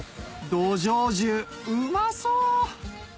どじょう重うまそ！